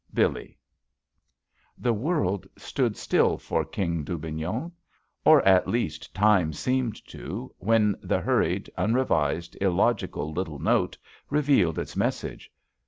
"Billee." The world stood still for King Dubignon, or at least time seemed to, when the hurried, unrevised, illogical little note revealed its message.